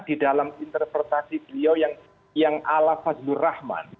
di dalam interpretasi beliau yang ala fazlur rahman